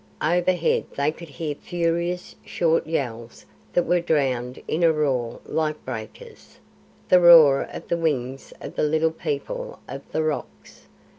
Overhead they could hear furious short yells that were drowned in a roar like breakers the roar of the wings of the Little People of the Rocks.